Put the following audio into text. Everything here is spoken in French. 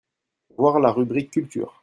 voir la rubrique culture.